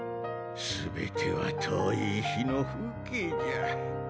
全ては遠い日の風景じゃ。